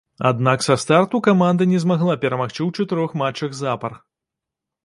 Аднак са старту каманда не змагла перамагчы ў чатырох матчах запар.